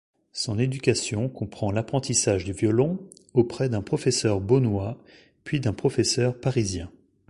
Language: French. Son éducation comprend l'apprentissage du violon, auprès d'un professeur beaunois, puis d'un professeur parisien.